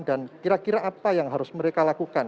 dan kira kira apa yang harus mereka lakukan